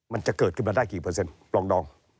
มันจะเกิดขึ้นมาได้กี่เปอร์เซ็นปลองดอง